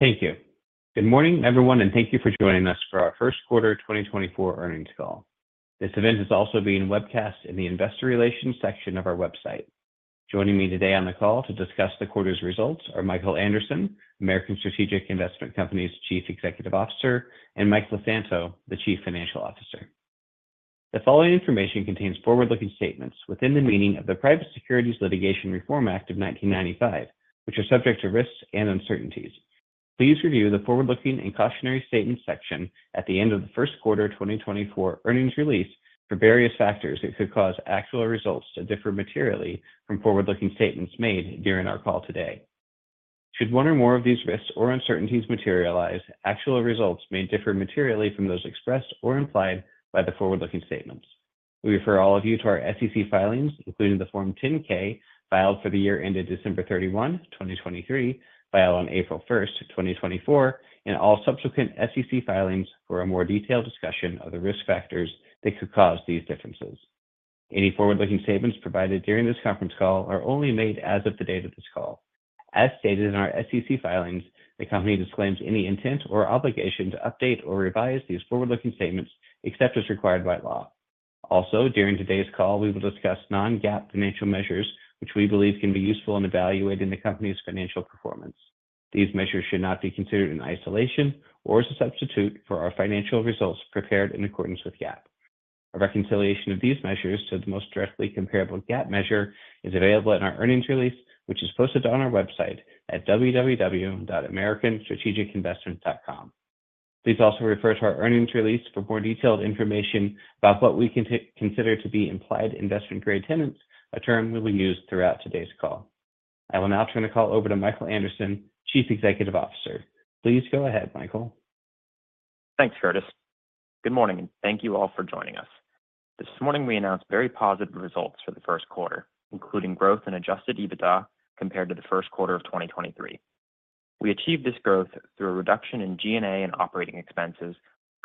Thank you. Good morning, everyone, and thank you for joining us for our first quarter 2024 earnings call. This event is also being webcast in the investor relations section of our website. Joining me today on the call to discuss the quarter's results are Michael Anderson, American Strategic Investment Company's Chief Executive Officer, and Michael LeSanto, the Chief Financial Officer. The following information contains forward-looking statements within the meaning of the Private Securities Litigation Reform Act of 1995, which are subject to risks and uncertainties. Please review the forward-looking and cautionary statements section at the end of the first quarter 2024 earnings release for various factors that could cause actual results to differ materially from forward-looking statements made during our call today. Should one or more of these risks or uncertainties materialize, actual results may differ materially from those expressed or implied by the forward-looking statements. We refer all of you to our SEC filings, including the Form 10-K filed for the year ended December 31, 2023, filed on April 1st, 2024, and all subsequent SEC filings for a more detailed discussion of the risk factors that could cause these differences. Any forward-looking statements provided during this conference call are only made as of the date of this call. As stated in our SEC filings, the company disclaims any intent or obligation to update or revise these forward-looking statements except as required by law. Also, during today's call, we will discuss Non-GAAP financial measures, which we believe can be useful in evaluating the company's financial performance. These measures should not be considered in isolation or as a substitute for our financial results prepared in accordance with GAAP. A reconciliation of these measures to the most directly comparable GAAP measure is available in our earnings release, which is posted on our website at www.americanstrategicinvestment.com. Please also refer to our earnings release for more detailed information about what we can consider to be implied investment grade tenants, a term we will use throughout today's call. I will now turn the call over to Michael Anderson, Chief Executive Officer. Please go ahead, Michael. Thanks, Curtis. Good morning, and thank you all for joining us. This morning we announced very positive results for the first quarter, including growth in Adjusted EBITDA compared to the first quarter of 2023. We achieved this growth through a reduction in G&A and operating expenses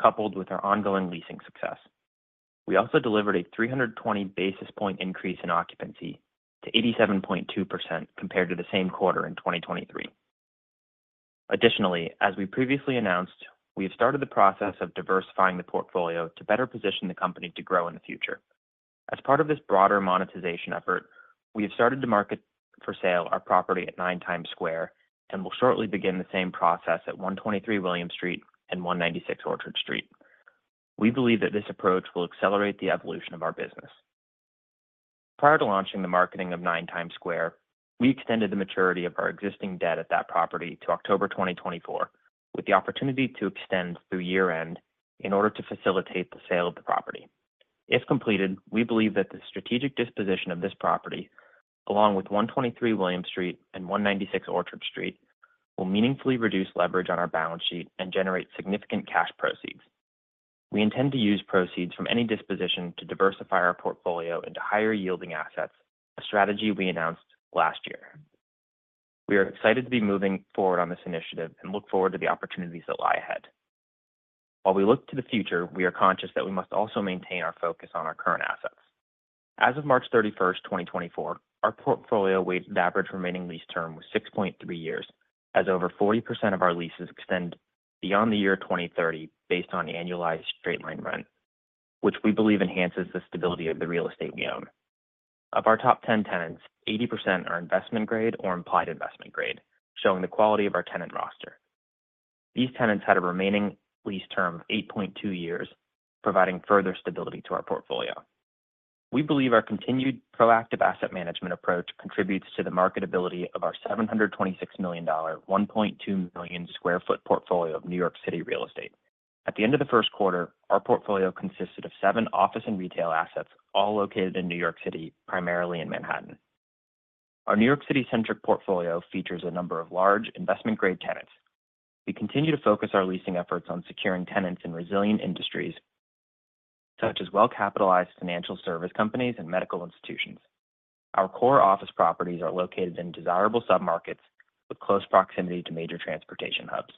coupled with our ongoing leasing success. We also delivered a 320 basis point increase in occupancy to 87.2% compared to the same quarter in 2023. Additionally, as we previously announced, we have started the process of diversifying the portfolio to better position the company to grow in the future. As part of this broader monetization effort, we have started to market for sale our property at 9 Times Square and will shortly begin the same process at 123 William Street and 196 Orchard Street. We believe that this approach will accelerate the evolution of our business. Prior to launching the marketing of 9 Times Square, we extended the maturity of our existing debt at that property to October 2024 with the opportunity to extend through year-end in order to facilitate the sale of the property. If completed, we believe that the strategic disposition of this property, along with 123 William Street and 196 Orchard Street, will meaningfully reduce leverage on our balance sheet and generate significant cash proceeds. We intend to use proceeds from any disposition to diversify our portfolio into higher yielding assets, a strategy we announced last year. We are excited to be moving forward on this initiative and look forward to the opportunities that lie ahead. While we look to the future, we are conscious that we must also maintain our focus on our current assets. As of March 31st, 2024, our portfolio weighted average remaining lease term was 6.3 years, as over 40% of our leases extend beyond the year 2030 based on annualized straight-line rent, which we believe enhances the stability of the real estate we own. Of our top 10 tenants, 80% are investment grade or implied investment grade, showing the quality of our tenant roster. These tenants had a remaining lease term of 8.2 years, providing further stability to our portfolio. We believe our continued proactive asset management approach contributes to the marketability of our $726 million, 1.2 million sq ft portfolio of New York City real estate. At the end of the first quarter, our portfolio consisted of seven office and retail assets, all located in New York City, primarily in Manhattan. Our New York City-centric portfolio features a number of large investment grade tenants. We continue to focus our leasing efforts on securing tenants in resilient industries such as well-capitalized financial service companies and medical institutions. Our core office properties are located in desirable submarkets with close proximity to major transportation hubs.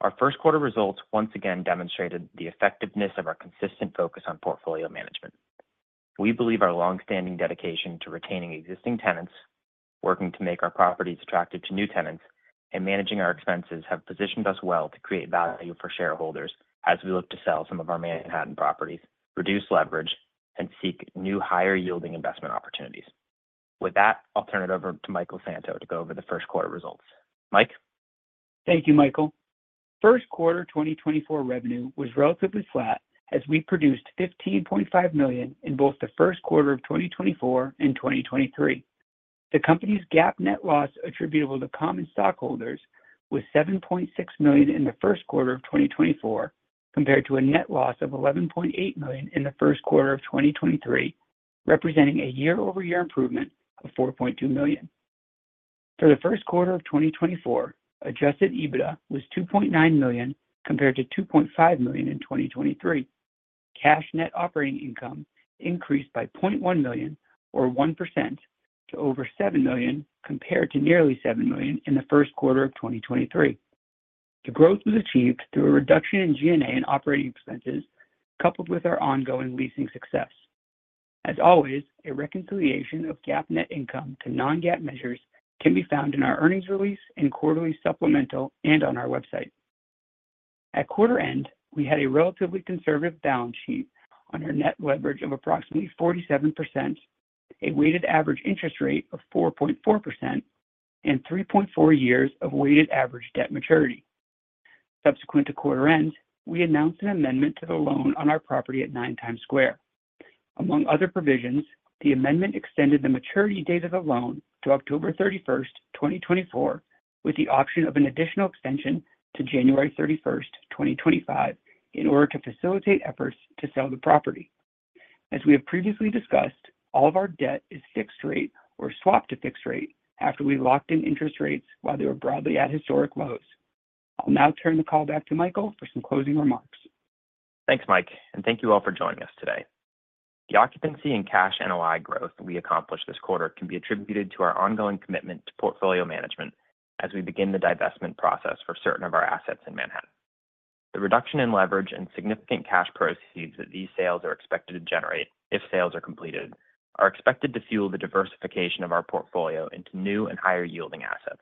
Our first quarter results once again demonstrated the effectiveness of our consistent focus on portfolio management. We believe our longstanding dedication to retaining existing tenants, working to make our properties attractive to new tenants, and managing our expenses have positioned us well to create value for shareholders as we look to sell some of our Manhattan properties, reduce leverage, and seek new higher yielding investment opportunities. With that, I'll turn it over to Michael LeSanto to go over the first quarter results. Mike? Thank you, Michael. First quarter 2024 revenue was relatively flat as we produced $15.5 million in both the first quarter of 2024 and 2023. The company's GAAP net loss attributable to common stockholders was $7.6 million in the first quarter of 2024 compared to a net loss of $11.8 million in the first quarter of 2023, representing a year-over-year improvement of $4.2 million. For the first quarter of 2024, Adjusted EBITDA was $2.9 million compared to $2.5 million in 2023, cash net operating income increased by $0.1 million or 1% to over $7 million compared to nearly $7 million in the first quarter of 2023. The growth was achieved through a reduction in G&A and operating expenses coupled with our ongoing leasing success. As always, a reconciliation of GAAP net income to non-GAAP measures can be found in our earnings release and quarterly supplemental and on our website. At quarter end, we had a relatively conservative balance sheet on our net leverage of approximately 47%, a weighted average interest rate of 4.4%, and 3.4 years of weighted average debt maturity. Subsequent to quarter end, we announced an amendment to the loan on our property at 9 Times Square. Among other provisions, the amendment extended the maturity date of the loan to October 31st, 2024, with the option of an additional extension to January 31st, 2025, in order to facilitate efforts to sell the property. As we have previously discussed, all of our debt is fixed rate or swapped to fixed rate after we locked in interest rates while they were broadly at historic lows. I'll now turn the call back to Michael for some closing remarks. Thanks, Mike, and thank you all for joining us today. The occupancy and cash NOI growth we accomplished this quarter can be attributed to our ongoing commitment to portfolio management as we begin the divestment process for certain of our assets in Manhattan. The reduction in leverage and significant cash proceeds that these sales are expected to generate if sales are completed are expected to fuel the diversification of our portfolio into new and higher yielding assets.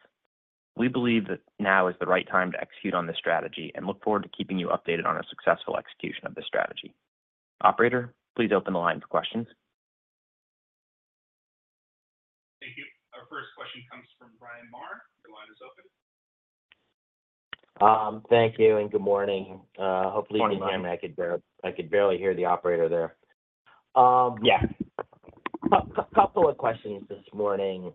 We believe that now is the right time to execute on this strategy and look forward to keeping you updated on our successful execution of this strategy. Operator, please open the line for questions. Thank you. Our first question comes from Bryan Maher. Your line is open. Thank you and good morning. Hopefully you can hear me. I could barely hear the operator there. Yeah. A couple of questions this morning.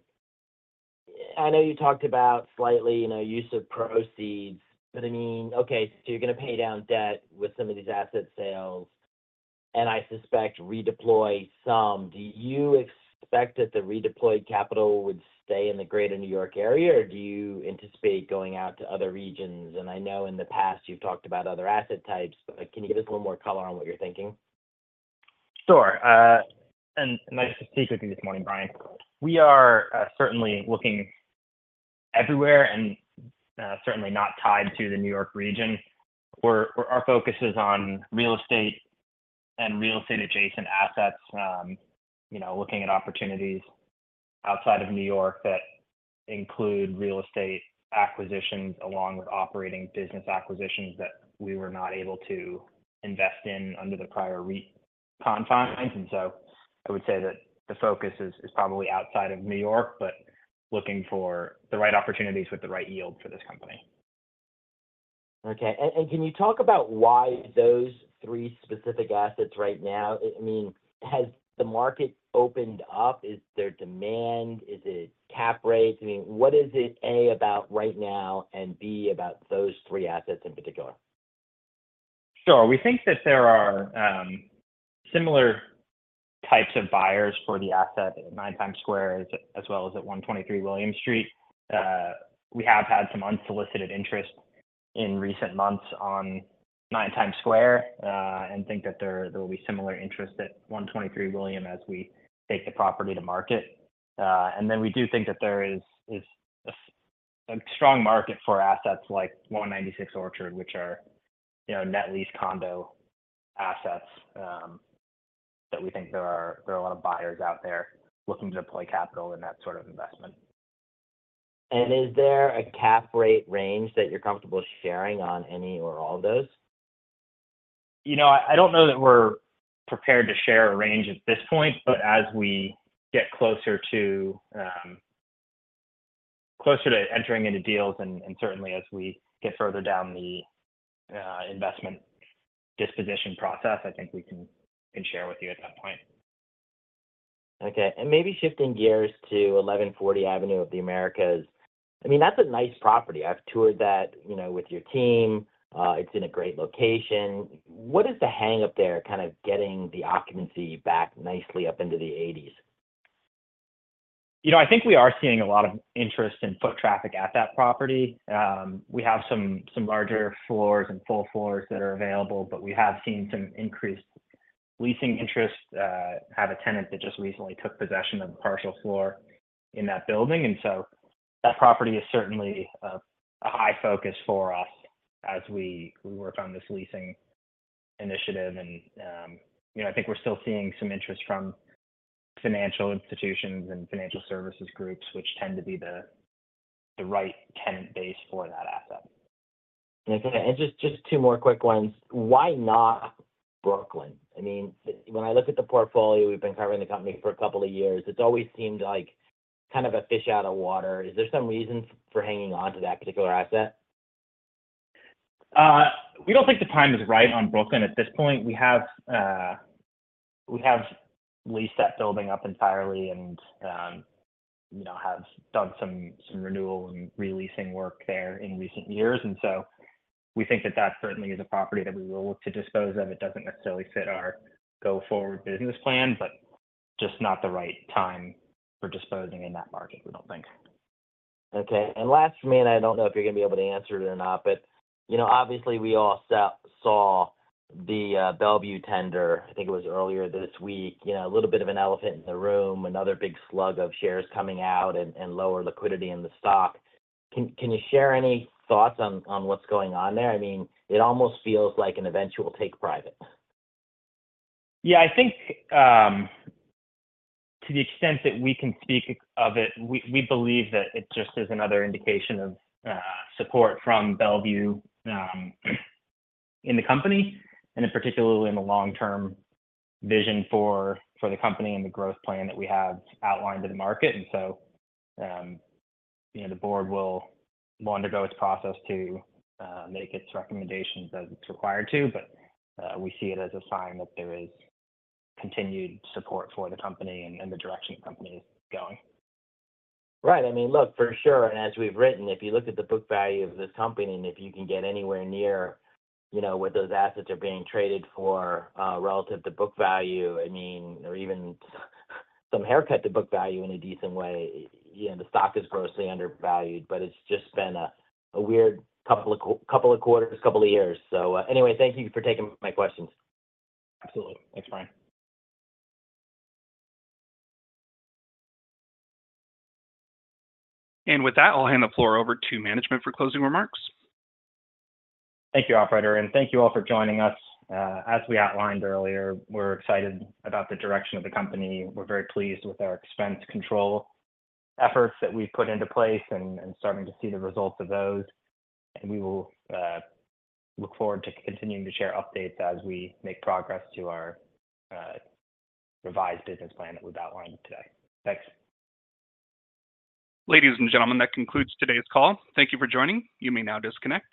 I know you talked about slide use of proceeds, but I mean, okay, so you're going to pay down debt with some of these asset sales and I suspect redeploy some. Do you expect that the redeployed capital would stay in the greater New York area, or do you anticipate going out to other regions? And I know in the past you've talked about other asset types, but can you give us a little more color on what you're thinking? Sure. And nice to speak with you this morning, Bryan. We are certainly looking everywhere and certainly not tied to the New York region. Our focus is on real estate and real estate-adjacent assets, looking at opportunities outside of New York that include real estate acquisitions along with operating business acquisitions that we were not able to invest in under the prior REIT confines. And so I would say that the focus is probably outside of New York, but looking for the right opportunities with the right yield for this company. Okay. And can you talk about why those three specific assets right now? I mean, has the market opened up? Is there demand? Is it cap rates? I mean, what is it, A, about right now and, B, about those three assets in particular? Sure. We think that there are similar types of buyers for the asset at 9 Times Square as well as at 123 William Street. We have had some unsolicited interest in recent months on 9 Times Square and think that there will be similar interest at 123 William as we take the property to market. And then we do think that there is a strong market for assets like 196 Orchard, which are net lease condo assets that we think there are a lot of buyers out there looking to deploy capital in that sort of investment. Is there a cap rate range that you're comfortable sharing on any or all of those? I don't know that we're prepared to share a range at this point, but as we get closer to entering into deals and certainly as we get further down the investment disposition process, I think we can share with you at that point. Okay. Maybe shifting gears to 1140 Avenue of the Americas. I mean, that's a nice property. I've toured that with your team. It's in a great location. What is the hang-up there kind of getting the occupancy back nicely up into the '80s? I think we are seeing a lot of interest in foot traffic at that property. We have some larger floors and full floors that are available, but we have seen some increased leasing interest. I have a tenant that just recently took possession of a partial floor in that building. So that property is certainly a high focus for us as we work on this leasing initiative. I think we're still seeing some interest from financial institutions and financial services groups, which tend to be the right tenant base for that asset. Okay. And just two more quick ones. Why not Brooklyn? I mean, when I look at the portfolio, we've been covering the company for a couple of years. It's always seemed like kind of a fish out of water. Is there some reason for hanging on to that particular asset? We don't think the time is right on Brooklyn at this point. We have leased that building up entirely and have done some renewal and releasing work there in recent years. And so we think that that certainly is a property that we will look to dispose of. It doesn't necessarily fit our go-forward business plan, but just not the right time for disposing in that market, we don't think. Okay. And last for me, and I don't know if you're going to be able to answer it or not, but obviously, we all saw the Bellevue tender. I think it was earlier this week. A little bit of an elephant in the room, another big slug of shares coming out and lower liquidity in the stock. Can you share any thoughts on what's going on there? I mean, it almost feels like an eventual take private. Yeah. I think to the extent that we can speak of it, we believe that it just is another indication of support from Bellevue in the company and particularly in the long-term vision for the company and the growth plan that we have outlined to the market. And so the board will undergo its process to make its recommendations as it's required to, but we see it as a sign that there is continued support for the company and the direction the company is going. Right. I mean, look, for sure. And as we've written, if you look at the book value of this company and if you can get anywhere near what those assets are being traded for relative to book value, I mean, or even some haircut to book value in a decent way, the stock is grossly undervalued, but it's just been a weird couple of quarters, couple of years. So anyway, thank you for taking my questions. Absolutely. Thanks, Bryan. With that, I'll hand the floor over to management for closing remarks. Thank you, operator. Thank you all for joining us. As we outlined earlier, we're excited about the direction of the company. We're very pleased with our expense control efforts that we've put into place, and starting to see the results of those. We will look forward to continuing to share updates as we make progress to our revised business plan that we've outlined today. Thanks. Ladies and gentlemen, that concludes today's call. Thank you for joining. You may now disconnect.